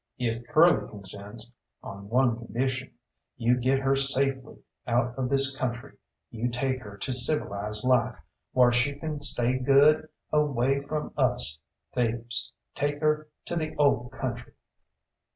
"If Curly consents, on one condition. You get her safely out of this country, you take her to civilised life, whar she can stay good, away from us thieves. Take her to the Old Country."